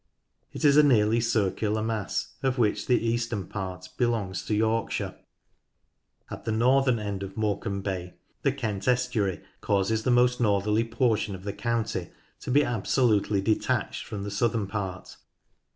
It is a nearly circular mass of which the eastern part belongs to York shire. At the north end of Morecambe Bay, the Kent estuary causes the most northerly portion of the county to be absolutely detached from the southern part.